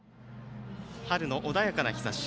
春の穏やかな日ざし。